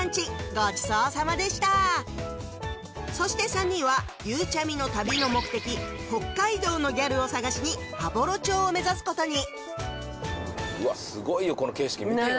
ごちそうさまでしたそして三人はゆうちゃみの旅の目的「北海道のギャル」を探しに羽幌町を目指すことにうわっすごいよこの景色見てよ